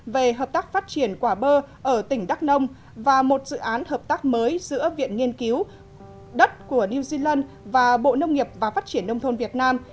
về hợp tác phát triển quả bơ ở tỉnh đắk nông và một dự án hợp tác mới giữa viện nghiên cứu đất của new zealand và bộ nông nghiệp và phát triển nông thôn việt nam